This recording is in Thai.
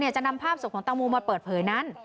จะนำภาพศพของตังโมมาเปิดเผยนั้น